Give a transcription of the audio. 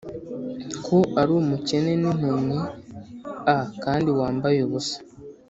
Ko uri umukene n impumyi a kandi wambaye ubusa